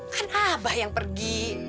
kan abah yang pergi